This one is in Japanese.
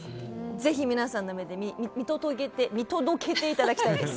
ぜひ皆さんの目で見届けていただきたいです。